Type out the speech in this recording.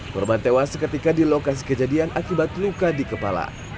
korban tewas seketika di lokasi kejadian akibat luka di kepala